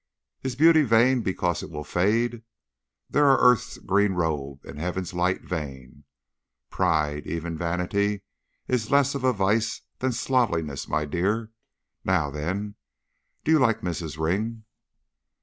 'Is beauty vain because it will fade? Then are earth's green robe and heaven's light vain.' Pride, even vanity, is less of a vice than slovenliness, my dear. Now then, do you like Mrs. Ring?"